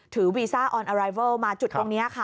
วีซ่าออนอารายเวิลมาจุดตรงนี้ค่ะ